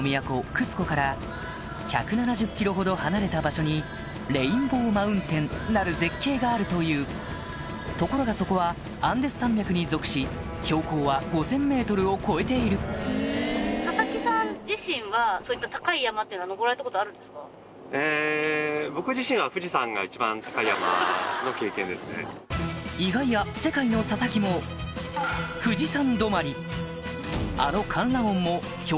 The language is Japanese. クスコから１７０ｋｍほど離れた場所にレインボーマウンテンなる絶景があるというところがそこはアンデス山脈に属し標高は５０００ｍを超えている意外や世界の佐々木も富士山